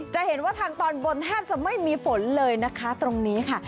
จะเห็นว่าทางตอนบนแทบจะไม่มีฝนเลยนะคะตรงนี้ค่ะ